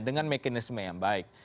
dengan mekanisme yang baik